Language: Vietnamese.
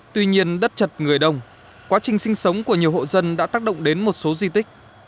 tuy nhiên đất chật người đông quá trình sinh sống của nhiều hộ dân đã tác động đến một số di tích